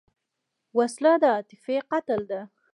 وسله د عاطفې قتل ده